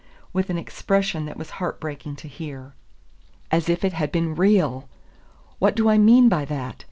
with an expression that was heart breaking to hear. As if it had been real! What do I mean by that?